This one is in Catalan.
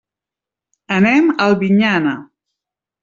Anem a Albinyana.